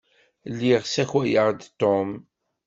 Lliɣ ssakayeɣ-d Tom.